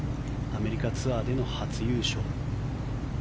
アメリカツアーでの初優勝。